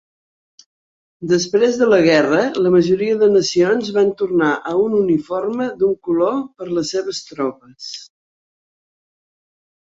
Després de la guerra, la majoria de nacions van tornar a un uniforme d'un color per a les seves tropes.